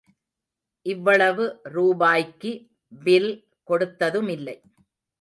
இவ்வளவு ரூபாய்க்கு பில் கொடுத்ததுமில்லை.